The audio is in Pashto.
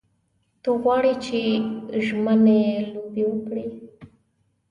ته غواړې چې ژمنۍ لوبې وکړې.